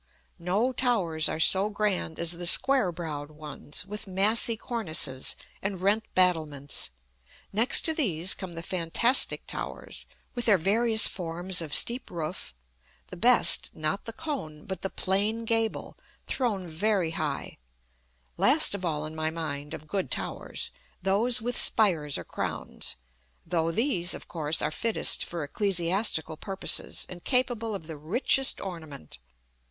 No towers are so grand as the square browed ones, with massy cornices and rent battlements: next to these come the fantastic towers, with their various forms of steep roof; the best, not the cone, but the plain gable thrown very high; last of all in my mind (of good towers), those with spires or crowns, though these, of course, are fittest for ecclesiastical purposes, and capable of the richest ornament.